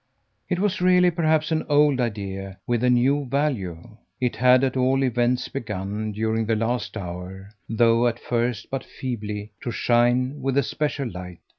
It was really perhaps an old idea with a new value; it had at all events begun during the last hour, though at first but feebly, to shine with a special light.